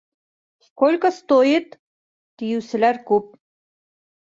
Сколько стоит? - тиеүселәр күп